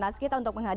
habis dulu asal d